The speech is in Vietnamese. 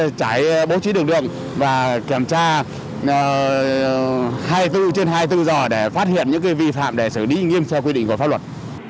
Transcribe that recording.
đã trải bố trí đường đường và kiểm tra hai tư trên hai tư dò để phát hiện những vi phạm để xử lý nghiêm so với quy định của pháp luật